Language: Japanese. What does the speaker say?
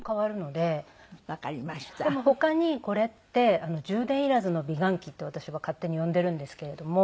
でも他にこれって充電いらずの美顔器って私は勝手に呼んでいるんですけれども。